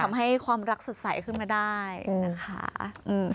ทำให้ความรักสดใสขึ้นมาได้นะคะอืม